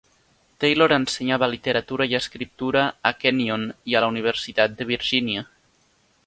Taylor ensenyava literatura i escriptura a Kenyon i a la Universitat de Virgínia.